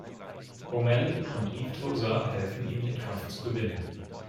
O’Malley und Eve Tozer helfen ihm, den Kampf zu gewinnen.